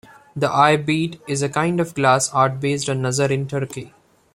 The eye bead is a kind of glass art based on nazar in Turkey.